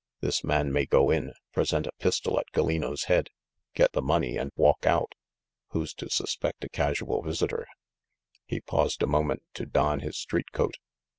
This man may go in, present a pistol at Gallino's head, get the money, and walk out. Who's to suspect a casual vis itor?" He paused a moment to don his street coat.